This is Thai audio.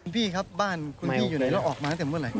พี่ครับบ้านคุณพี่อยู่ไหนแล้วออกมาตั้งแต่เมื่อไหร่